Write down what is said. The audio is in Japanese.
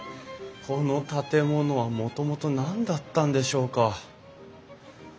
この建物はもともと何だったんでしょうか？